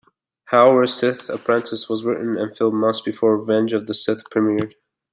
However, "Sith Apprentice" was written and filmed months before "Revenge of the Sith" premiered.